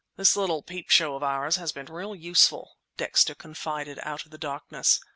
"This little peep show of ours has been real useful," Dexter confided out of the darkness.